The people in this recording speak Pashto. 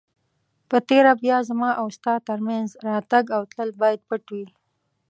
په تېره بیا زما او ستا تر مینځ راتګ او تلل باید پټ وي.